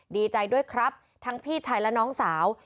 ดีใจด้วยครับทั้งพี่ชายและน้องสาว